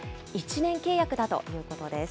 １年契約だということです。